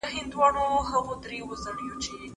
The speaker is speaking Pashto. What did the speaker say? ايا مارکوپولو اسيا ته سفر کړی و؟